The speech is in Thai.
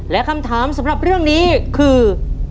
และคำถามสำหรับเรื่องนี้คือ